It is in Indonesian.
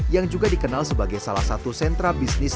yang juga dikenal sebagai salah satu sentra bisnis